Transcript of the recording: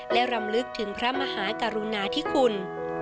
และรำลึกถึงพระมหากรุณาธิคุณ